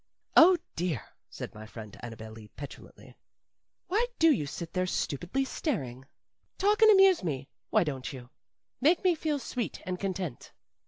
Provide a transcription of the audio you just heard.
"Oh, dear!" said my friend Annabel Lee, petulantly; "why do you sit there stupidly staring? Talk and amuse me, why don't you? Make me feel sweet and content."